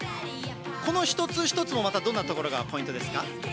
この一つ一つもまたどんなところがポイントですか？